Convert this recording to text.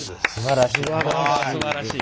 すばらしい。